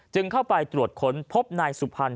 เข้าไปตรวจค้นพบนายสุพรรณ